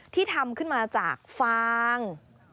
ที่ทำขึ้นมาจากฟาง